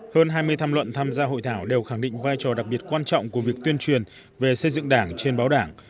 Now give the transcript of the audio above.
hơn hai mươi tham luận tham gia hội thảo đều khẳng định vai trò đặc biệt quan trọng của việc tuyên truyền về xây dựng đảng trên báo đảng